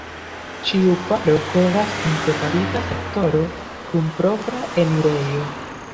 Ĉiu paro kovas en separita sektoro kun propra enirejo.